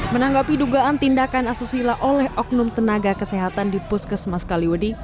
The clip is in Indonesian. menanggapi dugaan tindakan asusila oleh oknum tenaga kesehatan di puskesmas kaliwadi